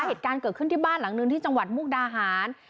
เหตุการณ์เกิดขึ้นที่บ้านหลังนึงที่จังหวัดมุกดาหาร